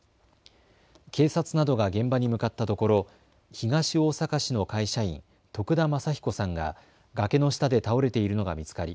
警察などが現場に向かったところ東大阪市の会社員、徳田正彦さんが崖の下で倒れているのが見つかり